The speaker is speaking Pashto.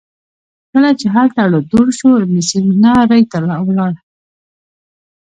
کله چې هلته اړو دوړ شو ابن سینا ري ته ولاړ.